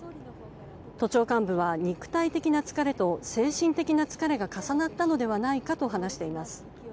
都庁幹部は肉体的な疲れと精神的な疲れが重なったのではないかと話しています。